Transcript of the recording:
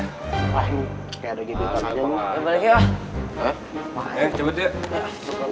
ke ada di depan aja